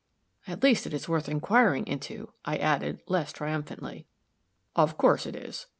"At least, it is worth inquiring into," I added, less triumphantly. "Of course it is.